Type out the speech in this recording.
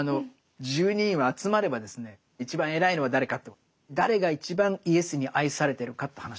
十二人は集まればですね一番偉いのは誰かと誰が一番イエスに愛されてるかと話してるんです。